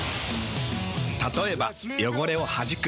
たとえば汚れをはじく。